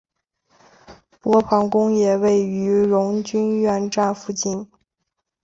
波旁宫也位于荣军院站附近。